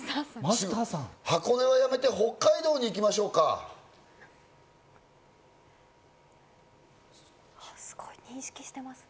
箱根はやめて北海道に行きましょうか。認識してますね。